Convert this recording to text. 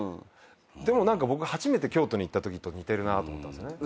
でも僕初めて京都行ったときと似てるなと思ったんすね。